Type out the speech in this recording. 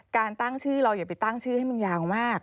การตั้งชื่อเราอย่าไปตั้งชื่อให้มันยาวมาก